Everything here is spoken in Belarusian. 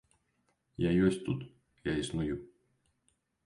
Я ёсць тут, я існую.